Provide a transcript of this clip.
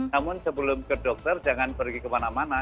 namun sebelum ke dokter jangan pergi kemana mana